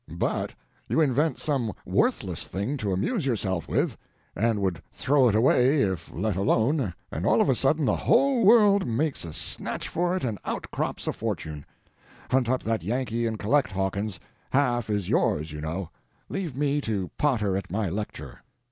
But you invent some worthless thing to amuse yourself with, and would throw it away if let alone, and all of a sudden the whole world makes a snatch for it and out crops a fortune. Hunt up that Yankee and collect, Hawkins—half is yours, you know. Leave me to potter at my lecture."